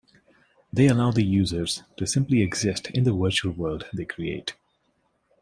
They allow the users to simply exist in the virtual world they create.